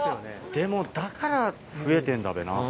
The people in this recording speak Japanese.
でもだから増えてんだべな。